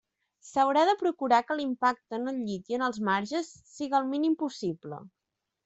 S'haurà de procurar que l'impacte en el llit i en els marges siga el mínim possible.